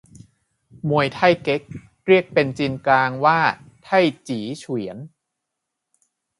มวยไท่เก๊ก เรียกเป็นจีนกลางว่าไท่จี๋เฉวียน